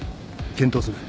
検討する。